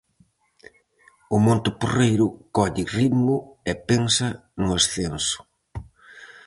O Monte Porreiro colle ritmo e pensa no ascenso.